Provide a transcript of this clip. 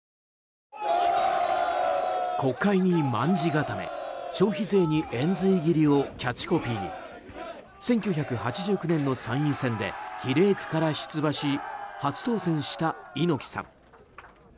「国会に卍固め」「消費税に延髄斬り」をキャッチコピーに１９８９年の参院選で比例区から出馬し初当選した猪木さん。